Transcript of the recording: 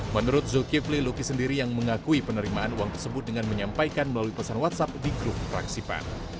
menurut zulkifli lukis sendiri yang mengakui penerimaan uang tersebut dengan menyampaikan melalui pesan whatsapp di grup fraksi pan